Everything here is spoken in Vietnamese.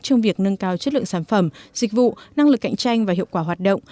trong việc nâng cao chất lượng sản phẩm dịch vụ năng lực cạnh tranh và hiệu quả hoạt động